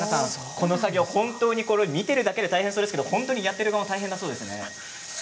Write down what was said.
この作業は見ているだけで、大変ですがやっている側も大変だそうですね。